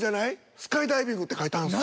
スカイダイビングって描いたんですよ。